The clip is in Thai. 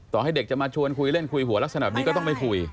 ให้เด็กจะมาชวนคุยเล่นคุยหัวลักษณะแบบนี้ก็ต้องไม่คุย